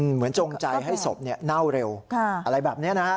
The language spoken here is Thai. เหมือนจงใจให้ศพเนี่ยเน่าเร็วอะไรแบบนี้นะฮะ